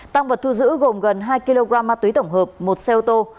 tăng vật thu giữ gồm gần hai kg ma túy tổng hợp một xe ô tô